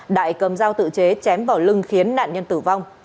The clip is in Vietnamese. đại cầm dao tự chế chém vào lưng khiến nạn nhân tử vong